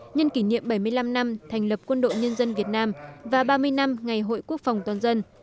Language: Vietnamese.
nhân kỷ niệm bảy mươi năm năm thành lập quân đội nhân dân việt nam và ba mươi năm ngày hội quốc phòng toàn dân